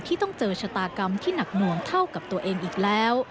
ต้องเจอชะตากรรมที่หนักหน่วงเท่ากับตัวเองอีกแล้ว